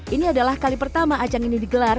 ini adalah kali pertama ajang ini digelar